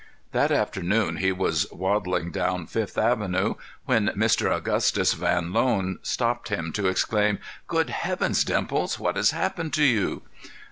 That afternoon he was waddling down Fifth Avenue when Mr. Augustus Van Loan stopped him to exclaim: "Good Heavens, Dimples! What has happened to you?"